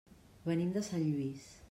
Venim de Sant Lluís.